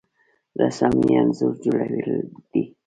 رسامي انځور جوړول دي